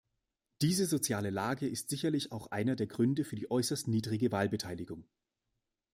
Diese soziale Lage ist sicherlich auch einer der Gründe für die äußerst niedrige Wahlbeteiligung.